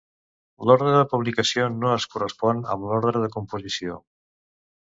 L'ordre de publicació no es correspon amb l'ordre de composició.